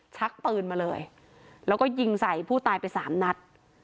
ชักปืนมาเลยแล้วก็ยิงใส่ผู้ตายไปสามนัด